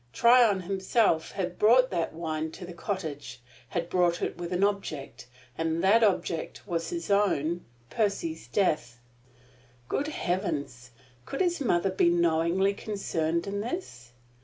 Tryon himself had brought that wine to the cottage had brought it with an object; and that object was his own Percy's death! Good heavens! could his mother be knowingly concerned in this?